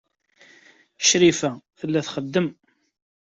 Crifa tella txeddem.